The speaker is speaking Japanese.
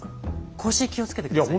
腰気をつけて下さいね。